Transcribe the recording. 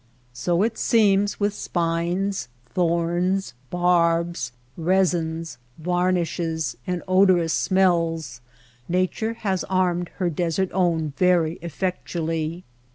So it seems with spines, thorns, barbs, resins, varnishes and odorous smells Nature has armed her desert own very effectually.